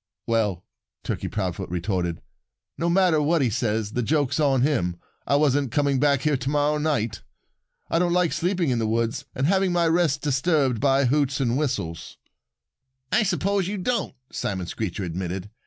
"Well," Turkey Proudfoot retorted, "no matter what he says, the joke's on him. I wasn't coming back here to morrow night. I don't like sleeping in the woods and having my rest disturbed by hoots and whistles." "I suppose you don't," Simon Screecher admitted.